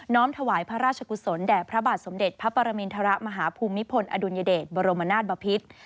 ้อมถวายพระราชกุศลแด่พระบาทสมเด็จพระปรมินทรมาฮภูมิพลอดุลยเดชบรมนาศบพิษ